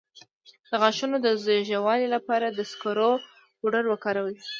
د غاښونو د ژیړوالي لپاره د سکرو پوډر وکاروئ